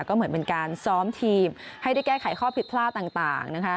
ก็เหมือนเป็นการซ้อมทีมให้ได้แก้ไขข้อผิดพลาดต่างนะคะ